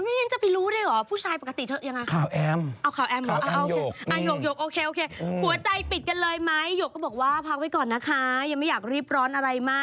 นี่จะไปรู้ได้หรือผู้ชายปกติเธอยังไง